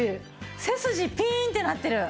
背筋ピーンってなってる。